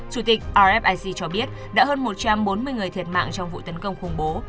chủ tịch offiz cho biết đã hơn một trăm bốn mươi người thiệt mạng trong vụ tấn công khủng bố